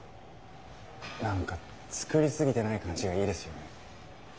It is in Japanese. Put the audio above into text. なんか作りすぎてない感じがいいですよね。